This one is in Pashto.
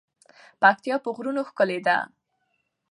پکتيا په غرونو ښکلی ده.